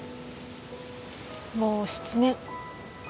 もう７年。